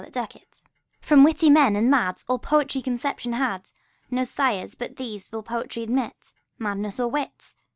THE POET FROM witty men and mad All poetry conception had. No sires but these will poetry admit : Madness or wit.